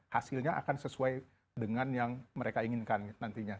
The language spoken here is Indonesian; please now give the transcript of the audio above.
hasilnya akan sesuai dengan yang mereka inginkan nantinya